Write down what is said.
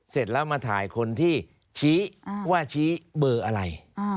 เสร็จแล้วมาถ่ายคนที่ชี้ว่าชี้เบอร์อะไร